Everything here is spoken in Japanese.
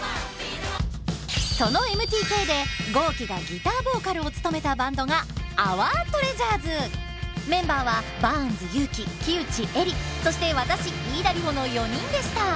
そのＭＴＫで公輝がギターボーカルを務めたバンドがメンバーはバーンズ勇気木内江莉そして私飯田里穂の４人でした。